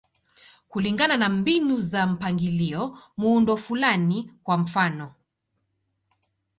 Kulingana na mbinu za mpangilio, muundo fulani, kwa mfano.